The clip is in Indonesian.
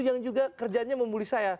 yang juga kerjanya membuli saya